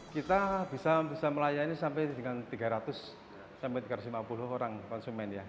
kita bisa melayani sampai dengan tiga ratus sampai tiga ratus lima puluh orang konsumen ya